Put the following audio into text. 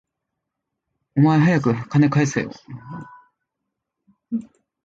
お前、はやく金返せよ